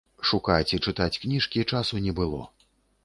Шукаць і чытаць кніжкі часу не было.